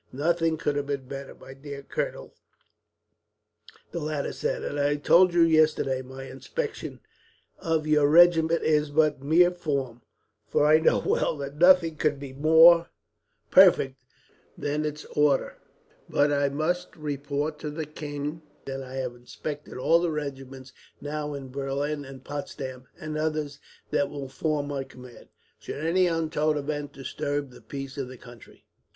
"Nothing could have been better, my dear colonel," the latter said. "As I told you yesterday, my inspection of your regiment is but a mere form, for I know well that nothing could be more perfect than its order; but I must report to the king that I have inspected all the regiments now in Berlin and Potsdam, and others that will form my command, should any untoward event disturb the peace of the country.